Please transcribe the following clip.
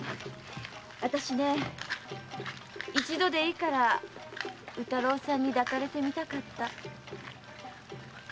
私ね一度でいいから宇太郎さんに抱かれてみたかった。